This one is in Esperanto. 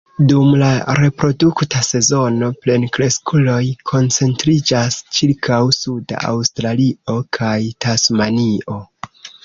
Dum la reprodukta sezono, plenkreskuloj koncentriĝas ĉirkaŭ suda Aŭstralio kaj Tasmanio.